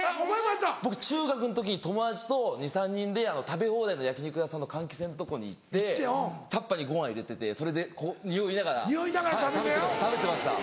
僕中学の時友達と２３人で食べ放題の焼き肉屋さんの換気扇のとこに行ってタッパーにご飯入れててそれでこう匂いながら食べてました食べてました。